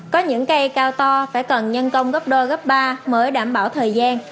có những cây cao to phải cần nhân công gấp đôi gấp ba mới đảm bảo thời gian